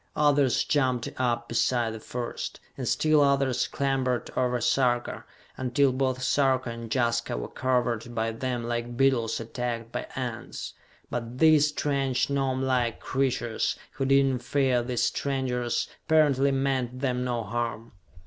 Others jumped up beside the first, and still others clambered over Sarka, until both Sarka and Jaska were covered by them like beetles attacked by ants. But these strange gnomelike creatures, who did not fear these strangers, apparently meant them no harm.